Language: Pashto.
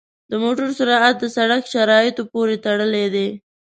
د موټر سرعت د سړک شرایطو پورې تړلی دی.